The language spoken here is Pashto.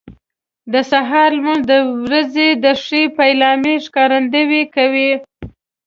د سهار لمونځ د ورځې د ښې پیلامې ښکارندویي کوي.